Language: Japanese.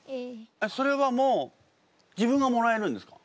それはもう自分がもらえるんですか？